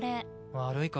悪いか？